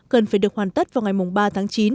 cần phải được hoàn tất vào ngày ba tháng chín